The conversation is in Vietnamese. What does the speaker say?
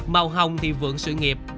màu hồng thì vượng sự nghiệp